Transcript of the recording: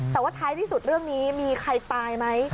แต่ว่าท้ายที่สุดเรื่องนี้มีใครตายไหม